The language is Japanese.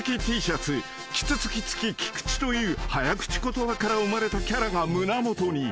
［「キツツキつき菊池」という早口言葉から生まれたキャラが胸元に］